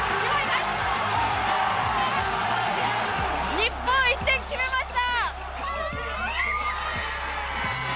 日本１点決めました！